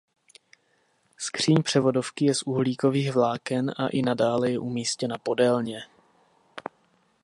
Skříň převodovky je z uhlíkových vláken a i nadále je umístěna podélně.